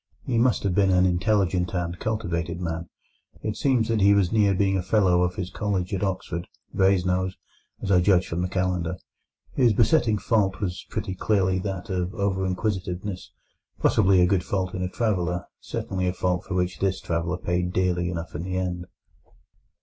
He must have been an intelligent and cultivated man. It seems that he was near being a Fellow of his college at Oxford—Brasenose, as I judge from the Calendar. His besetting fault was pretty clearly that of over inquisitiveness, possibly a good fault in a traveller, certainly a fault for which this traveller paid dearly enough in the end.